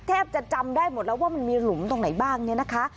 แทบจะจำได้หมดแล้วว่ามันมีหลุมตรงไหนบ้างเนี่ยนะคะ